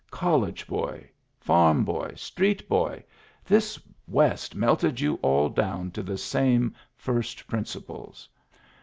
College boy, farm boy, street boy, this West melted you all down to the same first principles.